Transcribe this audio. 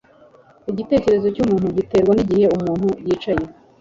Igitekerezo cyumuntu giterwa nigihe umuntu yicaye